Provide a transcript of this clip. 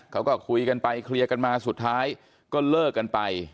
เขาก็คุยกันไปเคลียร์กันมาสุดท้ายก็เลิกกันไป